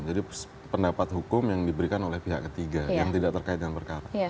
jadi pendapat hukum yang diberikan oleh pihak ketiga yang tidak terkait dengan perkara